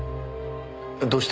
どうして？